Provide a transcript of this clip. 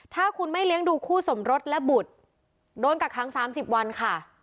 ถ้าคุณไม่เลี้ยงดูคู่สมรสและบุตรโดนกักขัง๓๐วันค่ะ